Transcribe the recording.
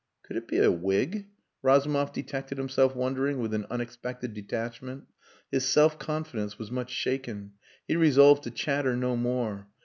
"Could it be a wig?" Razumov detected himself wondering with an unexpected detachment. His self confidence was much shaken. He resolved to chatter no more.